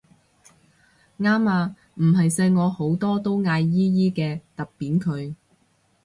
啱啊唔係細我好多都嗌姨姨嘅揼扁佢